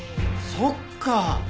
そっか！